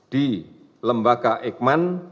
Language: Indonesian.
di lembaga eijkman